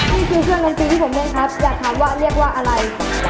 นี่คือเครื่องดนตรีที่ผมเรียนครับอยากถามว่าเรียกว่าอะไร